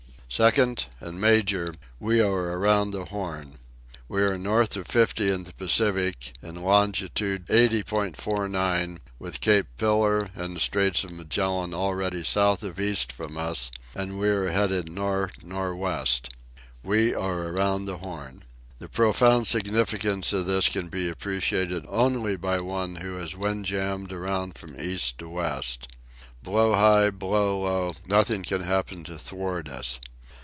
Second, and major, we are around the Horn! We are north of 50 in the Pacific, in Longitude 80.49, with Cape Pillar and the Straits of Magellan already south of east from us, and we are heading north north west. We are around the Horn! The profound significance of this can be appreciated only by one who has wind jammed around from east to west. Blow high, blow low, nothing can happen to thwart us.